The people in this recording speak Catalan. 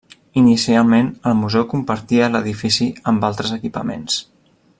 Inicialment el Museu compartia l’edifici amb altres equipaments.